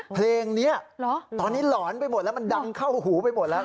เพลงนี้ตอนนี้หลอนไปหมดแล้วมันดังเข้าหูไปหมดแล้ว